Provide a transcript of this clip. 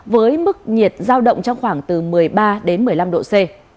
với mức nhiệt giao động trong khoảng từ một mươi ba đến một mươi năm độ c